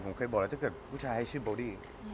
ผมเคยบอกถ้าคุณผู้ชายชื่อโบดี้